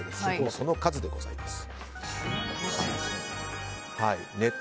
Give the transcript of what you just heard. その数でございます。